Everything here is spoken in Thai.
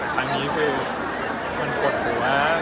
คันนี้คือเหมือนกดหัว